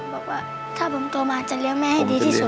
บอกว่าถ้าผมโตมาจะเลี้ยงแม่ให้ดีที่สุด